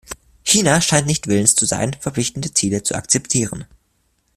China scheint nicht willens zu sein, verpflichtende Ziele zu akzeptieren.